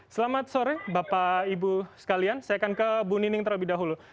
selamat sore bapak ibu sekalian saya akan ke bu nining terlebih dahulu